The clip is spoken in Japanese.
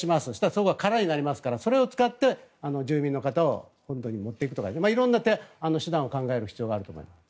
そこが空になりますからそれを使って住民の方を本土に持っていくとか色んな手段を考える必要があると思います。